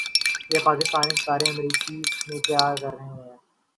یہ پاکستانی ستارے امریکا میں کیا کررہے ہیں